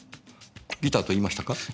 ギターと言いましたか？